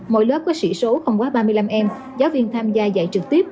mỗi lớp có sĩ số không quá ba mươi năm em giáo viên tham gia dạy trực tiếp